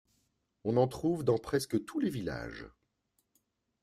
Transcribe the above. On en trouve dans presque tous les villages.